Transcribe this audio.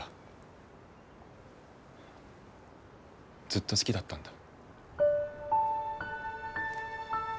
ずっと好きだったんだ。